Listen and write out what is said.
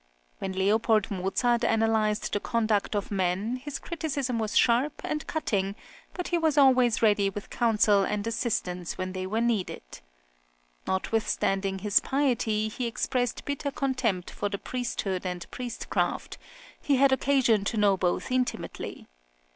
When Leopold Mozart analysed the conduct of men, his criticism was sharp and cutting, but he was always ready with counsel and assistance when they were needed. Notwithstanding his piety he expressed bitter contempt for the priesthood and priestcraft: he had occasion to know both intimately.